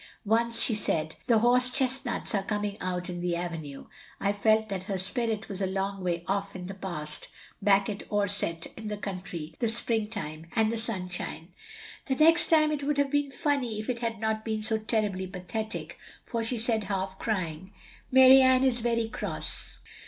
Once she said 'The horse chestnuts are coming out in the avenue. '/ felt that her spirit was a long way off in the past, back at Orsett, in the country, the spring time and the sunshine. "The next time it would have been funny if it had not been so terribly pathetic, for she said half crying, 'Mary Ann is very cross.